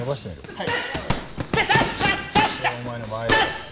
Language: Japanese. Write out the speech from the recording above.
はい。